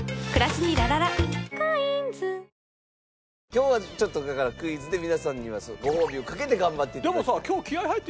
今日はちょっとだからクイズで皆さんにはご褒美をかけて頑張って頂きたい。